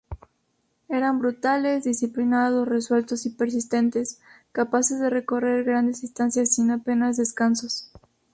Eran brutales, disciplinados, resueltos y persistentes, capaces de recorrer grandes distancias sin apenas descansos.